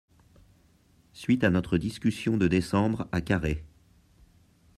Suite à notre discussion de décembre à Carhaix.